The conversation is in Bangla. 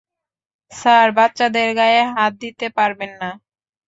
স্যার, বাচ্চাদের গায়ে হাত দিতে পারবেন না।